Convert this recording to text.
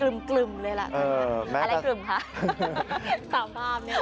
อันประมาณนี้เหมือนกลืม